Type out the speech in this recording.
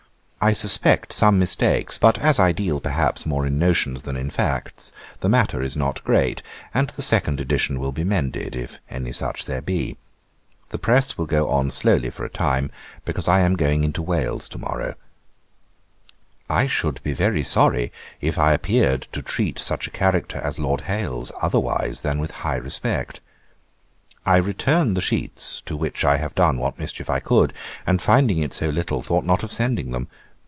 I suspect some mistakes; but as I deal, perhaps, more in notions than in facts, the matter is not great, and the second edition will be mended, if any such there be. The press will go on slowly for a time, because I am going into Wales to morrow. 'I should be very sorry if I appeared to treat such a character as Lord Hailes otherwise than with high respect. I return the sheets, to which I have done what mischief I could; and finding it so little, thought not much of sending them.